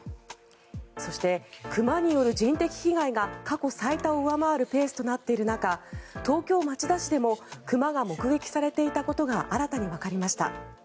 そして熊による人的被害が過去最多を上回るペースとなっている中東京・町田市でも熊が目撃されていたことが新たにわかりました。